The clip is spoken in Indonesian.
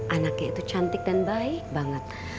anaknya itu cantik dan baik banget